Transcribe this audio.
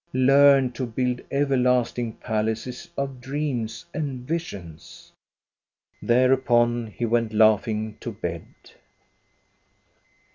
Learn to build everlasting palaces of dreams and visions !*' Thereupon he went laughing to bed.